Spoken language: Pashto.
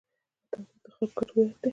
وطن زموږ د خلکو ګډ هویت دی.